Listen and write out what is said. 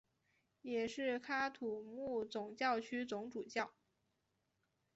也是喀土穆总教区总主教。